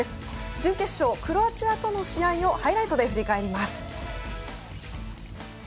準決勝、クロアチアとの試合をハイライトで振り返ります。